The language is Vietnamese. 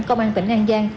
công an tỉnh an giang